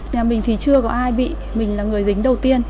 nhà mình thì chưa có ai bị mình là người dính đầu tiên